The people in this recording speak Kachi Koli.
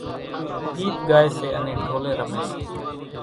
ڳيت ڳائيَ سي انين ڍولين رميَ سي۔